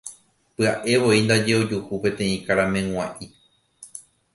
Pya'evoi ndaje ojuhu peteĩ karameg̃ua'i.